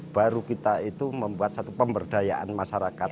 baru kita itu membuat satu pemberdayaan masyarakat